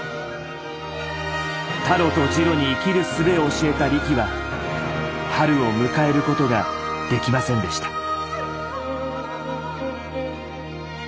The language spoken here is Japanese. タロとジロに生きるすべを教えたリキは春を迎えることができませんでした。